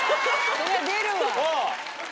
そりゃ出るわ。